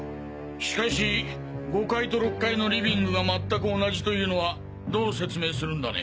しかし５階と６階のリビングがまったく同じというのはどう説明するんだね？